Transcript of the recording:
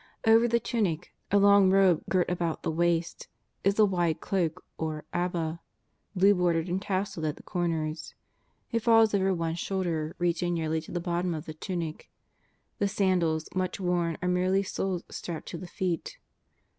Over the tunic, a long robe girt . ut the waist, is a wide cloak, or ahha, blue bordered and tasselled at the corners. It falls over one should ar, reaching nearly to the bottom of the tunic. The sandals, much worn, are merely soles strapped to the feet.